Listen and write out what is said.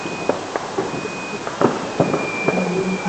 পরবর্তীতে আনুষ্ঠানিকভাবে তিনি 'জাদু' নামের সাথে মিল রেখে জাভেদ নাম নেন।